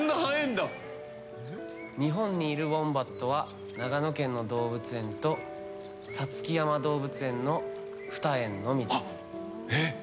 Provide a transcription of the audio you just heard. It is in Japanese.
日本にいるウォンバットは長野県の動物園と五月山動物園の２園のみ。